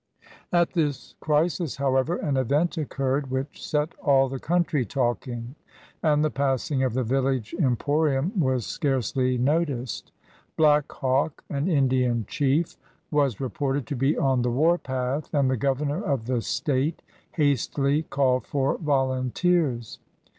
At this crisis, however, an event occurred which set all the country talking, and the passing of the village emporium was scarcely noticed. Black Hawk, an Indian chief, was reported to be on the war path, and the governor of the State hastily called for volunteers.